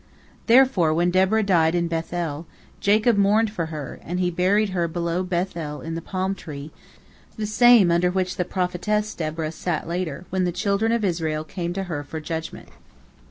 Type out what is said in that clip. Therefore, when Deborah died in Beth el, Jacob mourned for her, and he buried her below Beth el under the palm tree, the same under which the prophetess Deborah sat later, when the children of Israel came to her for judgment.